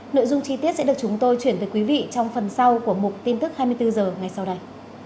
nội dung chi tiết sẽ được chúng tôi chuyển tới quý vị trong phần sau của mục tin tức hai mươi bốn h ngày sau đây